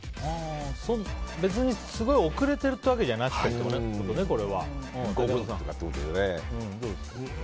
別にすごい遅れてるってわけじゃなくてってことね。